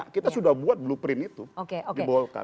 kita sudah buat blueprint itu di golkar